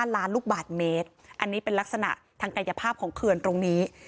ล้านลูกบาทเมตรอันนี้เป็นลักษณะทางกายภาพของเขื่อนตรงนี้